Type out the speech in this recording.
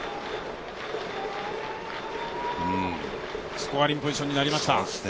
スコアリングポジションになりました。